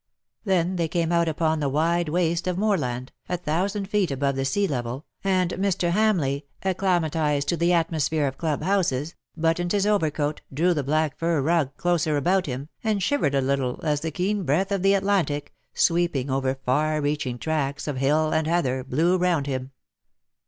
Then they came out upon the wide waste of moorland, a thousand feet above the sea level,, and Mr. Hamleigh, acclimatized to the atmo sphere of club housesj buttoned his overcoat, drew the black fur rug closer about him, and shivered a little as the keen breath of the Atlantic, sweeping over far reaching tracts of hill and heather, blew round him.